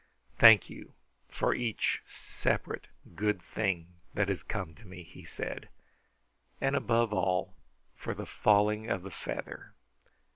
"Thank You for each separate good thing that has come to me," he said, "and above all for the falling of the feather.